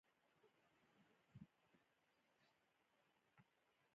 د سیاتیک درد لپاره د کونځلې تېل وکاروئ